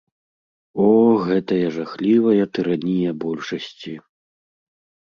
О, гэтая жахлівая тыранія большасці.